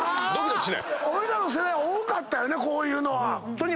おいらの世代多かったよねこういうのは。